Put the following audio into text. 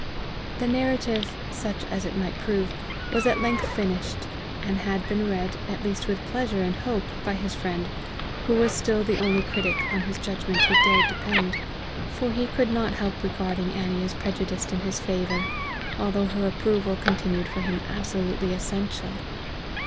The narrative, such as it might prove, was at length finished, and had been read, at least with pleasure and hope, by his friend, who was still the only critic on whose judgment he dared depend, for he could not help regarding Annie as prejudiced in his favor, although her approval continued for him absolutely essential.